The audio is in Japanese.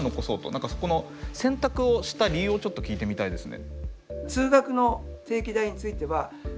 何かそこの選択をした理由をちょっと聞いてみたいですね。